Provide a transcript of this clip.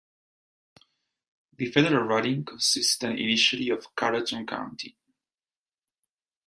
The federal riding consisted initially of Carleton County.